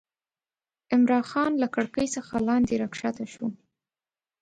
عمرا خان له کړکۍ څخه لاندې راکښته شو.